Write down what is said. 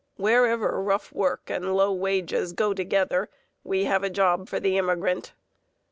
Wherever rough work and low wages go together, we have a job for the immigrant.